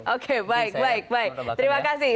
oke baik baik baik terima kasih